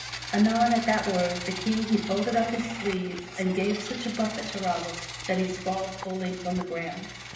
Anon, at that word, the King he folded up his sleeve and gave such a buffet to Robin that he sprawled his full length on the ground.